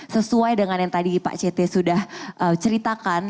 sesuai dengan yang tadi pak cete sudah ceritakan